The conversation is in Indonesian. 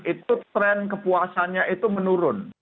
itu tren kepuasannya itu menurun